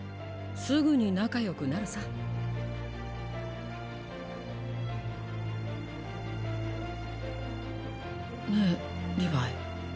すぐに仲良くなるさ。ねぇリヴァイ。